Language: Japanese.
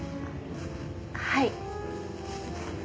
はい。